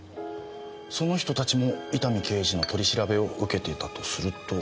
その人たちも伊丹刑事の取り調べを受けていたとすると。